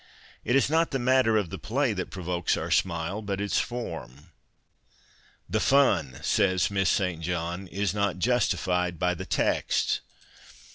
It is not the matter of the play that provokes our smile ; but its form. Tiic " fun," says Miss St. John, is " not justified by the text."